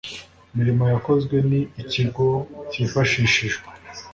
mirimo yakozwe n ikigo cyifashishijwe